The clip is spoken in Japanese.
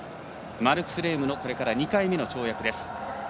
マルクス・レームのこれから２回目の跳躍です。